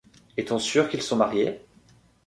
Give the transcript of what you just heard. Est-on sûr qu’ils sont mariés ?